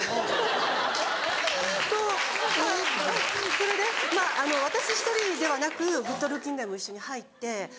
それで私１人ではなくグッドルッキングガイも一緒に入って。